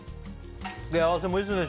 付け合わせもいいですね